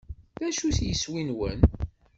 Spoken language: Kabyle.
D acu-t yiswi-nwen?